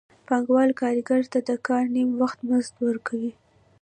پانګوال کارګر ته د کار نیم وخت مزد ورکوي